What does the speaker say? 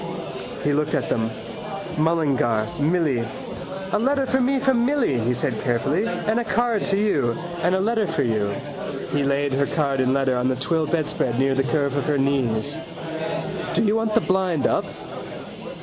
He looked at them. Mullingar. Milly. —A letter for me from Milly, he said carefully, and a card to you. And a letter for you. He laid her card and letter on the twill bedspread near the curve of her knees. —Do you want the blind up?